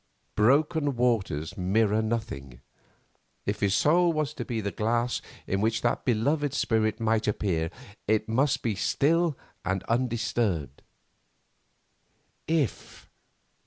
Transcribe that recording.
Broken waters mirror nothing; if his soul was to be the glass in which that beloved spirit might appear, it must be still and undisturbed. If?